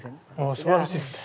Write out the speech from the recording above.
ああすばらしいですね。